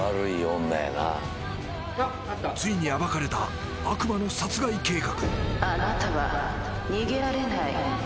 ついに暴かれた悪魔の殺害計画。